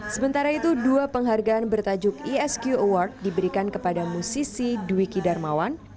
sementara itu dua penghargaan bertajuk isq award diberikan kepada musisi dwi kidarmawan